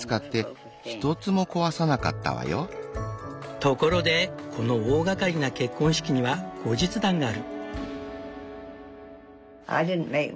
ところでこの大がかりな結婚式には後日談がある。